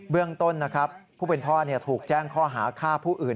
เรื่องต้นนะครับผู้เป็นพ่อถูกแจ้งข้อหาฆ่าผู้อื่น